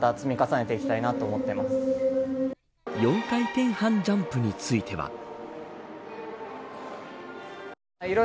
４回転半ジャンプについては。